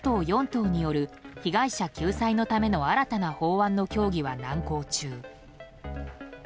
党による被害者救済のための新たな法案の協議は難航中。